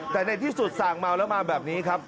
แต่ในที่สุดสั่งเมาแล้วมาแบบนี้ครับ